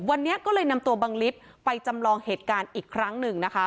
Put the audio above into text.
วันนี้ก็เลยนำตัวบังลิฟต์ไปจำลองเหตุการณ์อีกครั้งหนึ่งนะคะ